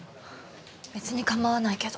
別に構わないけど。